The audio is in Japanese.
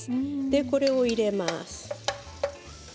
これを入れます。